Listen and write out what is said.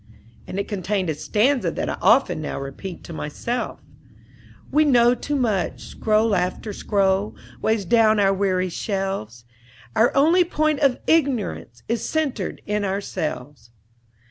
and it contained a stanza that I often now repeat to myself: "We know too much: scroll after scroll Weighs down our weary shelves: Our only point of ignorance Is centred in ourselves."